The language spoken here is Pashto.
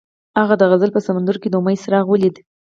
هغه د غزل په سمندر کې د امید څراغ ولید.